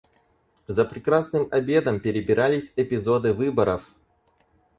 За прекрасным обедом перебирались эпизоды выборов.